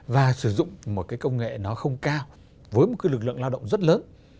và sử dụng một cái công nghệ nó không cao với một cái lực lượng lao động rất lớn